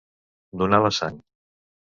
Donar la sang.